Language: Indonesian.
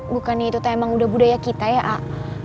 bukannya itu temang udah budaya kita ya ah